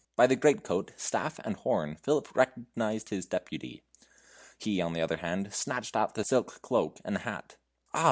By the great coat, staff, and horn, Philip recognized his deputy. He, on the other hand, snatched at the silk cloak and hat. "Ah!